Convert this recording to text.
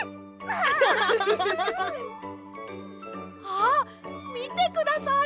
あっみてください！